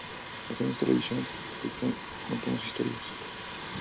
Hacemos televisión, contamos historias.